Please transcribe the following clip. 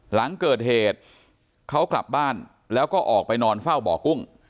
หลังเกิดเหตุเขากลับบ้านแล้วก็ออกไปนอนเฝ้าบ่อกุ้ง